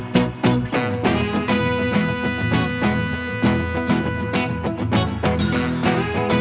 masuk nyamain nyamain orang deh